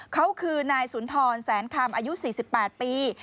เขาคือนายสุนทรแสนคำอายุ๔๘ปี